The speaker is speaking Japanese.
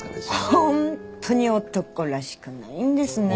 ホントに男らしくないんですね。